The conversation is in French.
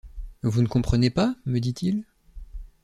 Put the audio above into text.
Vous ne comprenez pas? me dit-il.